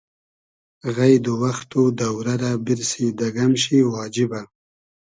غݷد و وئخت و دۆرۂ رۂ بیرسی دۂ گئم شی واجیبۂ